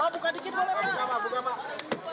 dari tahanan malam ini juga